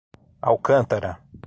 Alcântara